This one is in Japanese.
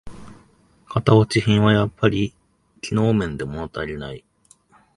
型落ち品はやっぱり機能面でものたりない